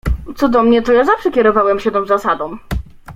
"Co do mnie, to ja zawsze kierowałem się tą zasadą."